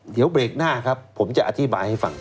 เดี๋ยวเบรกหน้าครับผมจะอธิบายให้ฟัง